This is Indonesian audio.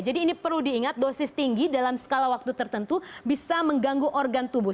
jadi ini perlu diingat dosis tinggi dalam skala waktu tertentu bisa mengganggu organ tubuh